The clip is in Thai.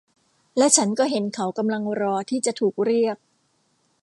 และฉันก็เห็นเขากำลังรอที่จะถูกเรียก